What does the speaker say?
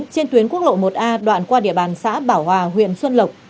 trên tuyến quốc lộ một a đoạn qua địa bàn xã bảo hòa huyện xuân lộc